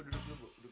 duduk dulu bu